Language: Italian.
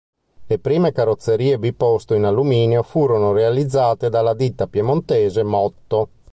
Le prime carrozzerie biposto in alluminio furono realizzate dalla ditta piemontese Motto.